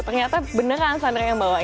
ternyata beneran sandra yang bawain